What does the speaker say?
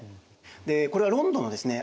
でこれはロンドンのですね